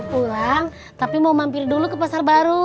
pulang tapi mau mampir dulu ke pasar baru